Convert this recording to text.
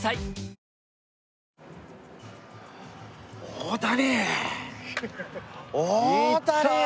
大谷！